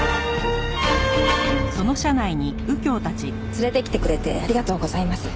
連れてきてくれてありがとうございます。